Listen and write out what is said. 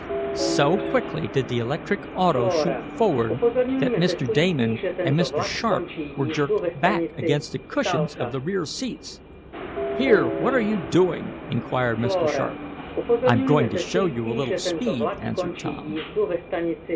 So quickly did the electric auto shoot forward that Mr. Damon and Mr. Sharp were jerked back against the cushions of the rear seats. "Here! What are you doing?" inquired Mr. Sharp. "I'm going to show you a little speed," answered Tom.